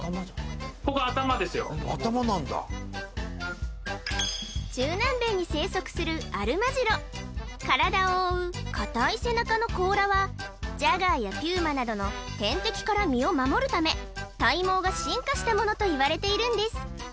ここ頭ですよ頭なんだ中南米に生息するアルマジロ体を覆う硬い背中の甲羅はジャガーやピューマなどの天敵から身を守るため体毛が進化したものといわれているんです